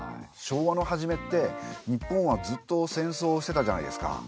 昭和の初めって日本はずっと戦争してたじゃないですか。